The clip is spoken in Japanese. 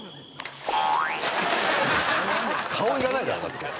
「顔いらないじゃんだって」